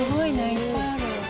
いっぱいある。